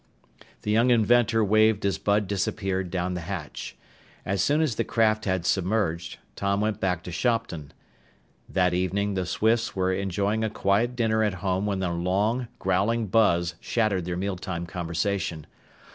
The young inventor waved as Bud disappeared down the hatch. As soon as the craft had submerged, Tom went back to Shopton. That evening the Swifts were enjoying a quiet dinner at home when a loud, growling buzz shattered their mealtime conversation.